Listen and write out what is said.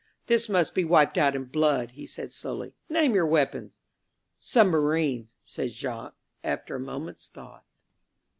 "This must be wiped out in blood," he said slowly. "Name your weapons." "Submarines," said Jacques after a moment's thought.